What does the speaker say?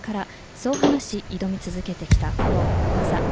そう話し、挑み続けてきたこの大技。